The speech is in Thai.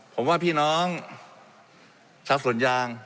ผมว่าพี่น้องชาวสวนยาง